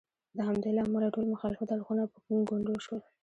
د همدې له امله ټول مخالف اړخونه په ګونډو شول.